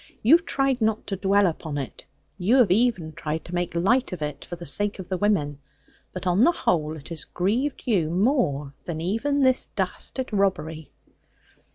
You have tried not to dwell upon it; you have even tried to make light of it for the sake of the women: but on the whole it has grieved you more than even this dastard robbery.'